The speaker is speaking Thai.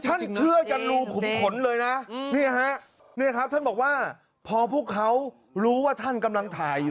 ท่านเชื่อจริงนาจริงท่านเชื่อจนรู้ขุมขนเลยนะ